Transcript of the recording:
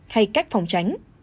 hay cách phòng tránh